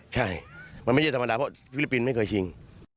ใช่มันไม่ใช่ธรรมดาเพราะฟิลิปปินส์ไม่เคยชิง